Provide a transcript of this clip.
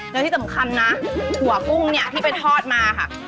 แล้วที่สำคัญนะถั่วกุ้งเนี่ยที่ไปทอดมาค่ะ